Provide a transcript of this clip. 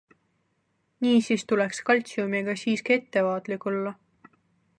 Niisiis tuleks kaltsiumiga siiski ettevaatlik olla.